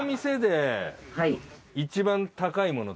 一番高いもの？